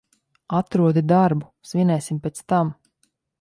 Atrodi darbu, svinēsim pēc tam.